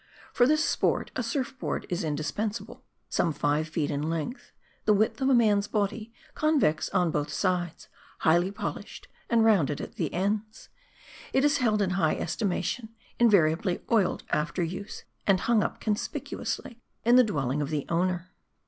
For this sport, a surf board is indispensable : some five feet in length ; the width of a man's body ; convex on both sides ; highly polished ; and rounded at the ends. It is held in high estimation ; invariably oiled after use ; and hung up conspicuously in the dwelling of the owner.